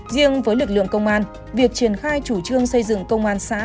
riêng với lực lượng công an việc triển khai chủ trương xây dựng công an xã